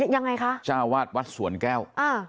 ยังไงคะชาวาสวัดสวนแก้ว